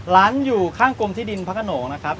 อยู่ข้างกรมที่ดินพระขนงนะครับ